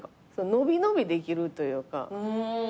伸び伸びできるというか。